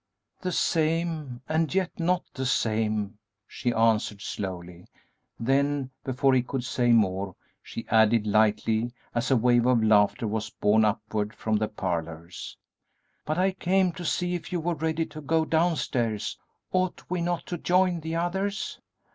"The same, and yet not the same," she answered, slowly; then, before he could say more, she added, lightly, as a wave of laughter was borne upward from the parlors. "But I came to see if you were ready to go downstairs; ought we not to join the others?"